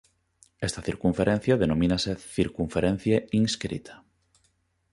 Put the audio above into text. Esta circunferencia denomínase circunferencia inscrita.